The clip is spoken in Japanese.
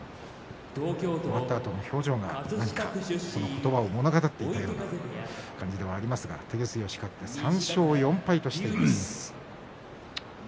終わったあとの表情がなにかその言葉を物語っているような感じではありましたが照強が勝って３勝４敗としています。